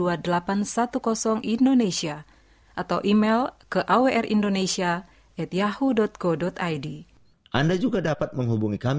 yesus yesus yesus cinta namanya